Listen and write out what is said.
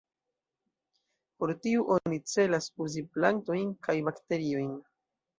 Por tiu oni celas uzi plantojn kaj bakteriojn.